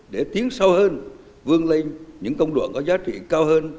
để tiến sâu hơn vươn lên những công đoạn có giá trị cao hơn